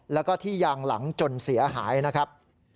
แล้วก็ที่ยางหลังจนเสียหายนะครับ